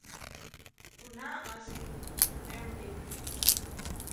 Уна ыш лий, чонем лий.